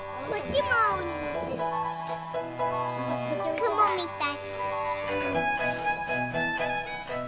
くもみたい。